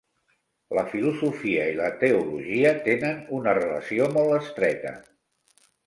La filosofia i la teologia tenen una relació molt estreta.